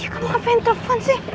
kamu ngapain telepon sih